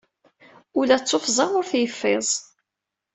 Ula d tuffẓa ur t-yeffiẓ.